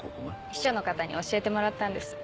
秘書の方に教えてもらったんです。